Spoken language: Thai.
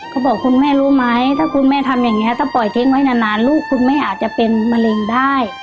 บอกคุณแม่รู้ไหมถ้าคุณแม่ทำอย่างนี้ถ้าปล่อยทิ้งไว้นานลูกคุณแม่อาจจะเป็นมะเร็งได้